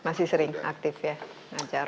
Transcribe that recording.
masih sering aktif ya